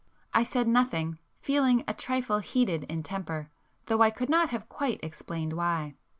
I said nothing, feeling a trifle heated in temper, though I could not have quite explained why.